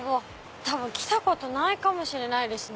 多分来たことないかもしれないですね。